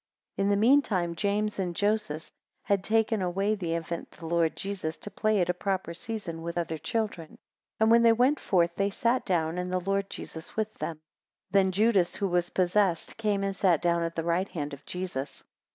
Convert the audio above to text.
4 In the meantime, James and Joses had taken away the infant, the Lord Jesus, to play at a proper season with other children; and when they went forth, they sat down and the Lord Jesus with them. 5 Then Judas, who was possessed, came and sat down at the right hand of Jesus.